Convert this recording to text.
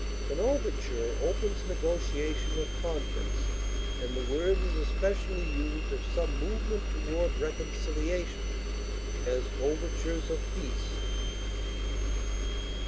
An overture opens negotiation or conference, and the word is especially used of some movement toward reconciliation; as, overtures of peace.